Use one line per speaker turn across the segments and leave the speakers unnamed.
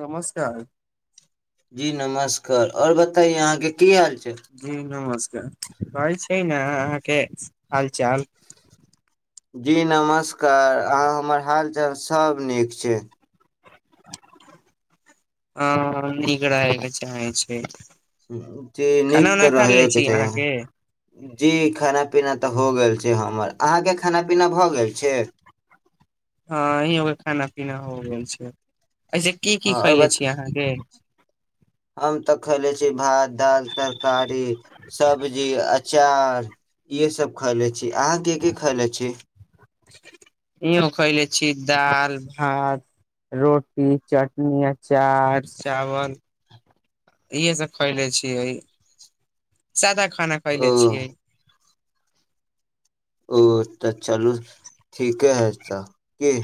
नमस्कार!
जी नमस्कार! आऔर बतायो अहाँके की हाल। छै
जी नमस्कार! कहै छै ने, अहाँके, हालचाल।
जी नमस्कार! अहाँ हमर हाल, चाल सभ नीक छै।
हँ निक क च छै
जी नीक
खाना उना
तऽ
खा
रहे
ले
के
छी
चाही,
अहाँके
जी खाना- पीना तऽ हो गेल छै। जे हमर, अहाँके खाना- पीना भअ
हँ इही होग खाना। पिना हो गेल छै। ऐसे की -की
आओर
खयले
बत
छीयै अहाँके?
खयले छी, भात- दाल तरकारी, सब्जी, अचार, इहे सब खैले छी, अहाँ की की खैले छी?
इहो खयले छी, दालि- भात, रोटी, चटनी, अचार, चावल, इहे सब खएले छियै सादा खाना खइले
ओ
छियै।
ओ तक। चलू ठीके हइ तऽ, की।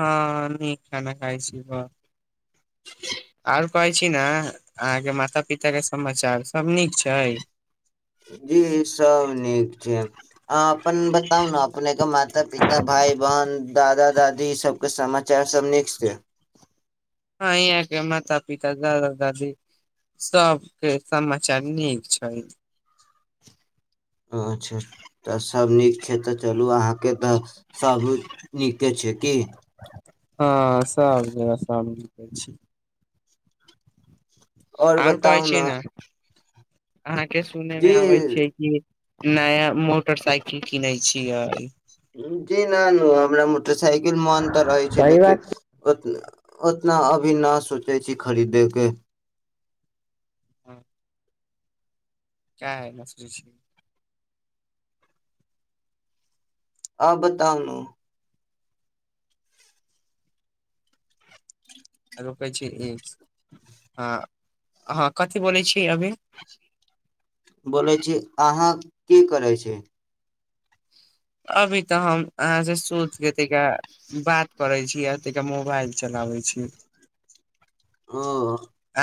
हँ नीक खाना खाइ छी ब, आर कहै छी ने, अहाँके माता- पिता के समाचार सब नीक छै?
जी सब नीक छै अह अपन बताउ ने अपनेके माता पिता भाय बहिन दादा दादी ई सभके समाचार सब नीक छै।
हँ यहाँ के माता पिता दादा दादी सबके समाचार नीक छै।
अच्छा तऽ सभ नीक छै तऽ चलू अहाँके तऽ सभ नीके छै की।
हँसाम कहै छी। आओर कहै छिय ने। अहाँ के सुनै मे
जी
आबै छैै क। नया मोटरसाइकिल किनै छियै।
जी न न हमरा म। मोटरसाइकिल मोन तऽ रहै छै
सही बात
लेकिन ओ। उतना अभी न सोचै छी खरीदेके।
हँ। क्या है नसरी छी।
आ बताउ ने।
रुकै छी ई हँ ह कथिी बोलै छीय अभी।
बोलै छी अहाँ की करै छै।
अभी तऽ हम अहाँसँ सोचि कऽ तिक बात करै छी आतहिके मोबाइल चलाबै छी।
ह।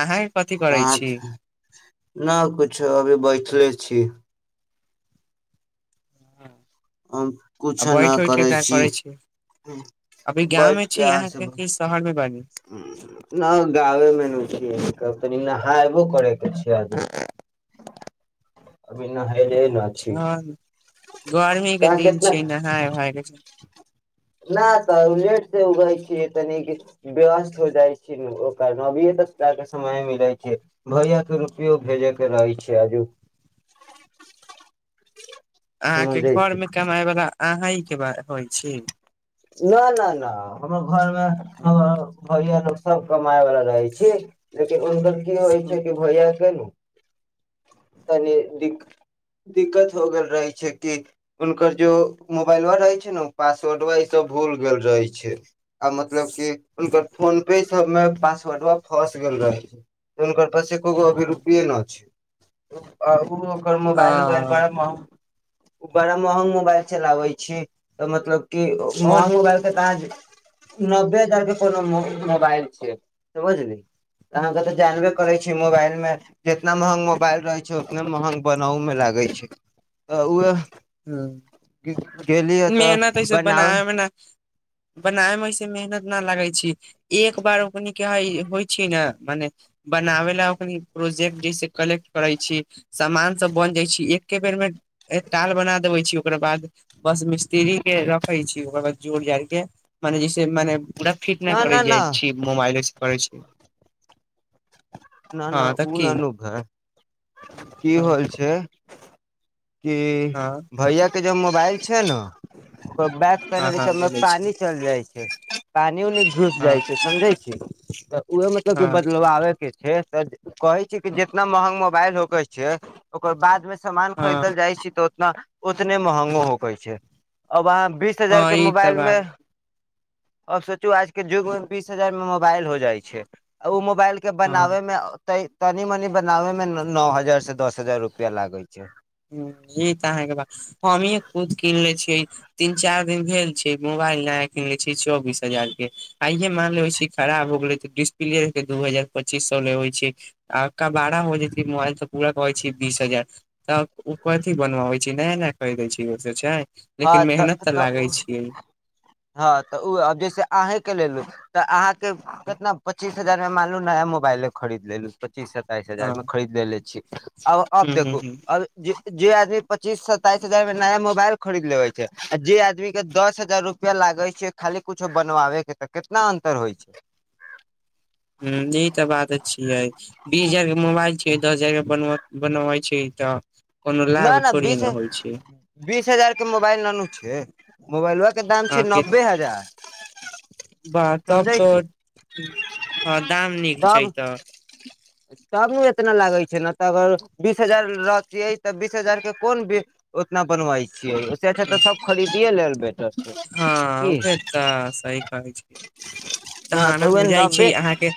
अहाँ कथी करै
कह
छी
न कछो अभी बैठले। छी।
[inaudible]
कछ
आ
नहि
बैठ उठ के
करै
का
छी
अभी गाँव मे
बैठके
छी अहाँके की शहर मे बानी
नहि गाबे मे नहि छी। त नहा एबो करैके छै आदमी। न छी
अछा गर्मीके
कहाँ
दिन
केतना
छिय नहााय भायके छै।
न तऽ उन्नेट से उगै छ तनिक व्यस्त हो जाइ छै ओकर नभिय त ल के समय मिलै छै भैय के रुपो भेजे के रहै छै आजु।
अहाँके घर मे कमाइ बला। अह ई के बात होइ छी।
नहि नहि नहि हमर घरमे हमर भैय सब क। काय वालला रहै छी लेकिन उनकर की होइ छै कि भैया केेलु। तनी द दिक्कत हो गेल। रहै छै कि हुनकर जो मोबाइल वा रहै छै ने पासवर्ड वाइ तऽ भूल गेल रहै छै। आ मतलब क खल फोन पे। सब मे पासवर्ड वा फस गेल रहै छै हुनकर प। खूब अभरूपीन छै। [inaudible] ओ ओकर मोबाल उबाल
अ
पड़ब। बड़ा महग मोबाइल चलाबै छी तऽ मतलब क। म
कोन
मोबाइलके तह। नब्बे हजार के कोनो मोबाइल छिय समझली अहाँके तऽ जानबे करै छियै मोबाइल मे जितना महग मोबाइल रहैत छै ओतना महग बनाउ मे लागै छै तऽ उ। [unintelligible] चलि त ब।
बनाय मे ओसे मेहनत। लगै छै। एक बार। होइ छै ने मने बनाबै लए ओख। प्रोजेकट जैसे कलेक्ट। करै छी सामान सब बन जाइ छी एके बेर मे टाल बना देबे छी ओकरा बाद। बस मिस्त्री के रखे छी ओकर बाद जोर जड़ के मने जैसे मने। परा फिट नहि
न न
करै
न
जाइ छी मोबाइलेसँ करै छी।
न न
हँ तऽ
ओ
की
ननू घर। की
हँ
होल छै। क
हँ
भैया। के ज मोबाइल छै ने। को बैक
हँ
पहिनल छै
हँ
ओमे
बोलै छी
पानि चलि जाइ छै पानियो नहि घुस
हँ
जाइ छै समझै छी। [inaudible] उएह मतलब क
हँ
बदलावे के। हे त कहे छी कि जितना महंगा। वायल होकर छै ओकर बाद मे। सामान
हँ
खरीदल जाइ छी तऽ। ना उतने महंगो होकै छै अब अहाँ। बीस हजार
हँ
के
ई तऽ
मोबाइलमे।
बात
आब सोचू आज के युग मे बीस हजार मे मोबाइल हो जाइ छै ओ म। मोबाइल के
हँ
बनाबे मेतै। तनी मनी बनाबे मे। नओ हजार से दस हजार रुपआ लागै छै।
ह ई तऽ अहाँके बात हमही खुद कीन लै छियै तीन चारि दिन भेल छै मोबाइल नया क किीन लै छियै चौबीस हजारके आइे मानि लेै छी खराब हो गेलै तऽ डिस्प्ले दू हजार पच्चीस सए लबैत छै आ काारा हो जेतै मोबाइल तऽ पूरा कहैत छै बीस हजार तब। ओ कथिी बनवाबै छै नया न कहि दै छै ओस छै।
हँ
लेकिन मेहनत
तऽ तऽ
लागै छियै
हँ तऽ ओब जैसे अहेंके लेल। तऽ अहाँ। कतना पच्चीस हजार। माललू नय मोाइल खरीद लेललु पच्चीस ह। तइस हजार
हँ
मे खरीद ले छी आब अब
ह ह
देखू
ह
अब जे। जे आदी पच्चीस सतताइस हजार मे नय मोबाइल खरीद लेबे छै आ जे आदमी के दस हजार रुपआ लागे छै खाली कुछो बनवाबे के तऽ कितना अंतर होइ छै
ह यह तऽ बात अ छिय है बीस हजार के मोबाइल छओ द हजार बनब बनबै छी तऽ कोनो लाभ
नहि नहि
थोड़े
बीस
ने होइ छै
बीस हजार के मोबाइल ननू छै मोबाइल व दाम छै नब्बे हजार
बाह तब
समझै छी
तऽ ह दाम नीक छै
तब
तऽ
तब ने एतना लागै छै ने तऽ अगर बीस हजार रहतियै त बीस हजार के कोन उतना बनवाई छै बेटर छै
हँ
की
उह तऽ सही कहै छै
न
ताँ
तऽ
ने
उहे
बुझाइ छै
नब्बे
अहाँके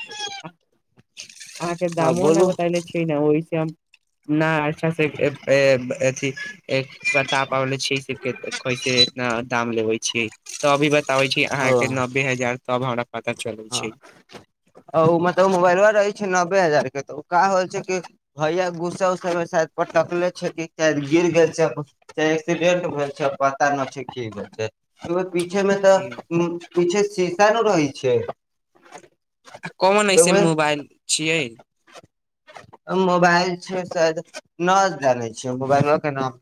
अहाँके
हँ
दामो
बोलू
बताले छी ने ओहिस हम नहि अच्छा से अथी एक बता पाबले छी कैसे इतना दाम लेबे छीै तऽ अभी ब बताबै छी अहाँ
ह
के नबे हजार तब हमरा पता चलै
हँ
छै
आ मतलब मोबाइल व रहै छै नब्बे हजार ओ का हो छै कि भैया गुस्सा उसा मे शाय पटकले छै कि गिर गेल छै चाहे एक्सीडेंट भेल छै पता नहि छै की भेल छै पीछे मे तऽ पीछे सीशानु रहै छै [unintelligible]
आ कोमन
तऽ
ऐसे
उहे
मोबाइल छियै
मोबाइल न छै मोबाइलो के नाम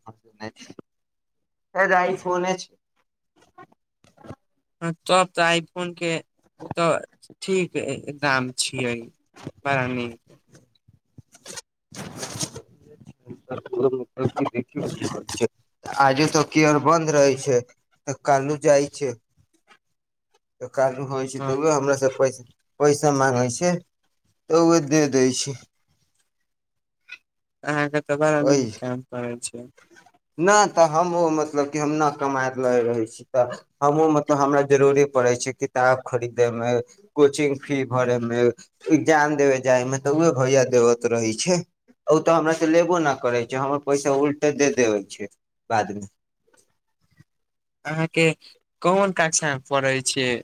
छै आइ फोने छै
तब तऽ आइ फोन के तऽ ठीक दाम छियै बड़ा नीक
आजे तऽ कियर बन्द रहै छै त कालू जाइ छै ह काजू होइ छै त
हँ
हमरा सब पैै मगै छै तऽ ओ दे दै छै
अ सर कैम्प करै छै
ह नहि तऽ हमहूँ मतलब कि हम नहि कमााय लैत रहैत छी तऽ हमहूँ मतलब हमरा जरूरे पड़ैत छै किताब खरीदैमे कोचिंग फी भरयमे एग्जाम देबै जायमे तऽ उह भैया देबत रहैत छै ओ तऽ हमरा तऽ लेबो नहि करैत छै हमर पैसा उलट ऽ दे दे होै छै बादमे
अहाँके कोन कक्षामे पढ़ै छियै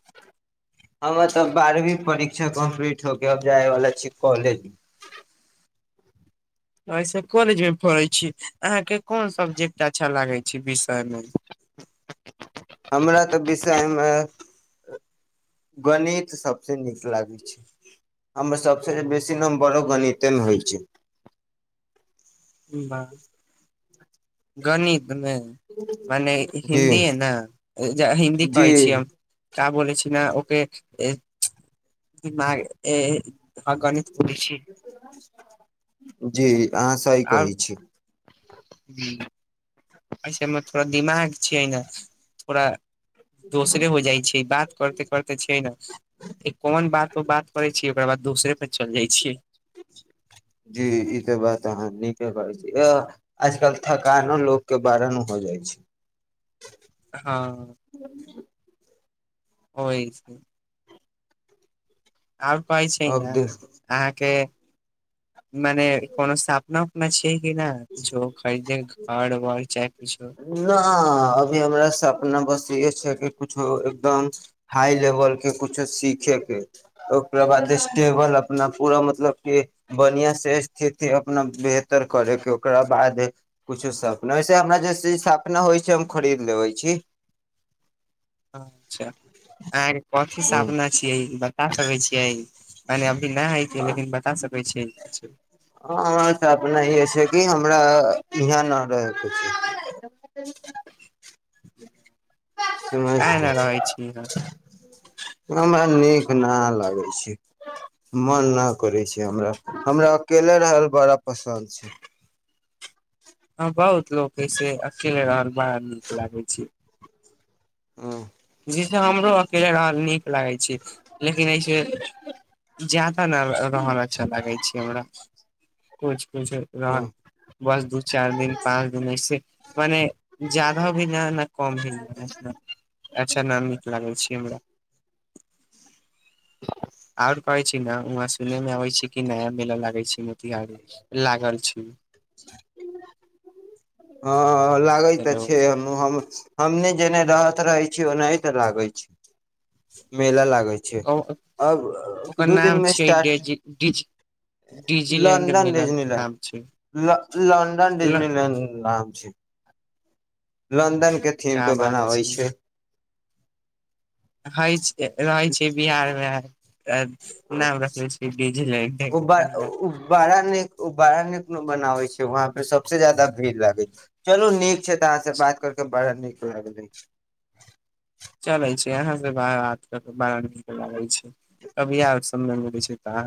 हमे तऽ बारहवीं परीक्षा कम्प्लीट होके आब जायवला छी कॉलेज।
आयसे कॉलेजमे पढ़ै छी अहाँके कोन सब्जेक्ट अच्छा लागै छै विषयमे?
हमरा तऽ विषय म गणित सभसँ नीक लागै छै हमर सभसँ बेसी नमबरो गणितेमे होइ छै
बाह गणित मने
जी
हिन्दीये ना जा हिन्दी पढे छियै
जी
हम का बोलै छी ना ओके दिमाग ए
जी अहाँ से सही कहई छी।
जी ऐसे हमर थोड़ा दिमाग छियै ना थोड़ा दोसरे हो जाइ छै बात करते करते छै न कोन बात पर बात करै छियै ओकरा बाद दोसरे पर चल जाइ छियै।
जी ई तऽ बात अहाँ नीके कहै छी अ आजकल थकानो लोकके बरानु हो जाइ छै।
हँ ओहि से और पाई छै
अब
ने
देख
अहाँके मने कोनो स्थापना मा‍छियै वर चाहे कुछो
ना अभी हमरा सपना बस ईहे छै कुछो एकदम हाई लेवल के कुछो सीखे के ओकरा बाद स्टेबल अपना पूरा मतलब के बढिया से स्थिति अपना बेहतर करे के होऊ ओकरा बाद कुछो सपनाैसे हमरा जैसे सपना होइ छै हम खरीद लेबै छी।
अच्छा अहाॅंके कथी
हूँ,
सापना छियै ब ता सकै छियै मने अभी नहि हइ कि लेकिन बता सकै छियै कुछो?
हमर सापना ईहे छै कि हमरा ईहाँ न रहे क [unintelligible] [unintelligible]
काहे ने रहै छी यहाँ
[unintelligible] नीक ना लागे छै मन ना करै छै हमरा हमरा अकेले रहल बड़ा पसन्द छै।
ह बहुत लोक ऐसे अकेले रहल बड़ा नीक लागे छै।
ऊं
जैसे हमरो अकेले रहल नीक लागै छै लेकिन ऐसे ज्यादा न रहल अच्छा लागै छै हमरा कुछ किछ
हँ
रहल बस दू चारि दिन पाँच दिन ऐसे मने जादा भी नहि ने कम भी अच्छा न नीक लागल छैय हमरा। [unintelligible] आर कहे छी न वहाँ सुनने में आबे छैय कि नया मेला लागे छैय। मोतिहारी लागल छी।
अं हॅं लागै तऽ
हेलो
छै हनु हम हमने जेने रहत रहै छी ओनाहित लागैत छी। मेला लागै छै
ओकर
अब दू दिन
नाम
मे
छियै
स्टार्ट
डेजी डिज डिजीलैंड
लंडन
मेला नाम छै
डिजनीलैंड लंडन
ल
डिजनीलैंड नाम छैय। लन [unintelligible] के थीम
क्या
पे
बात
बनाबै छैय।
खाई छिये रहै छिये बिहारमे नाम रखले छिये बीजी रहे के
ओ बड़ा नीक बड़ा नीक बनाबै छै वहाँ पे सबसे जादा भीड़ लागै छैय चलू नीक छैय तऽ अहाँ से बात कर के बड़ा नीक लागले।
चले छैय यहाँ से [unintelligible] बड़ा नीक लागे छैय। कभी आव समय मिलै छैय। आं